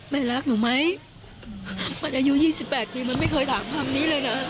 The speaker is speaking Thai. รักหนูไหมมันอายุ๒๘ปีมันไม่เคยถามคำนี้เลยนะ